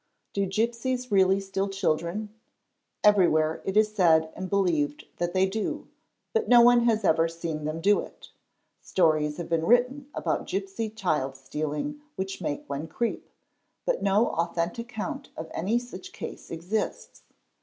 Do gipsies really steal children? Everywhere it is said and believed — that they do, but no one has ever seen them do it; stories have been — written about gipsy child stealing which make one creep; but no authen tic account of any such case exists.